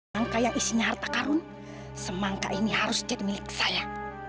angka yang isinya harta karun semangka ini harus cek milik saya